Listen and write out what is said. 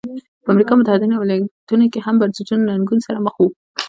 په امریکا متحده ایالتونو کې هم بنسټونه له ننګونو سره مخ وو.